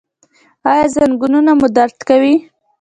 ایا زنګونونه مو دردیږي؟